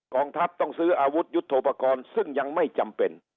องทัพต้องซื้ออาวุธยุทธโปรกรณ์ซึ่งยังไม่จำเป็น